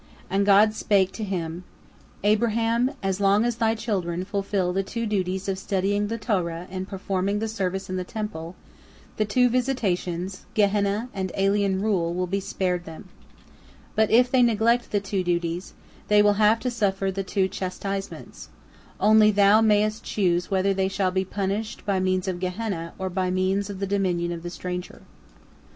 And God spake to him: "Abraham, as long as thy children fulfil the two duties of studying the Torah and performing the service in the Temple, the two visitations, Gehenna and alien rule, will be spared them. But if they neglect the two duties, they will have to suffer the two chastisements; only thou mayest choose whether they shall be punished by means of Gehenna or by means of the dominion of the stranger."